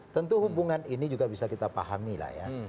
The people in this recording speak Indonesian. tentu hubungan ini juga bisa kita pahami lah ya